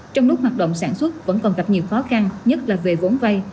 trong lúc hoạt động sản xuất vẫn còn gặp nhiều khó khăn nhất là về vốn vay